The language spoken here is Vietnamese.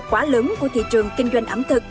quá lớn của thị trường kinh doanh ẩm thực